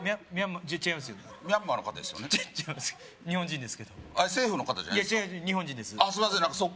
日本人ですけど政府の方じゃないんですか？